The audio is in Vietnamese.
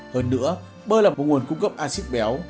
hơn nữa bơi là một nguồn cung cấp acid béo